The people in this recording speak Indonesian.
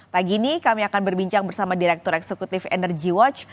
pagi ini kami akan berbincang bersama direktur eksekutif energy watch